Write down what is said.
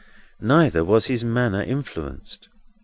Neither was his manner influenced.